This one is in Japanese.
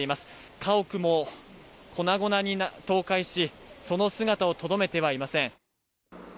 家屋も粉々に倒壊し、その姿をとどめてはいません。